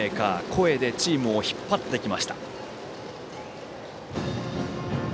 声でチームを引っ張ってきました。